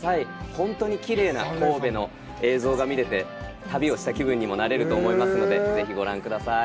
本当にきれいな神戸の映像が見れて、旅をした気分にもなれると思いますので、ぜひご覧ください。